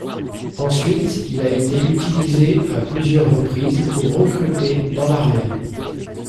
Ensuite il a été utilisé à plusieurs reprises pour recruter dans l'armée.